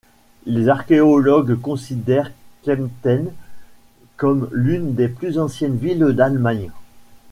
Les archéologues considèrent Kempten comme l'une des plus anciennes villes d'Allemagne.